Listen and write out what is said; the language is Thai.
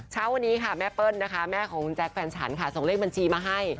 เช้าวันนี้ค่ะแม่เปิ้ลนะคะแม่ของคุณแจ๊คแฟนฉันค่ะส่งเลขบัญชีมาให้